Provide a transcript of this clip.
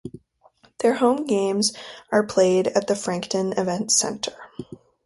Their home games are played at the Frankton Events Centre.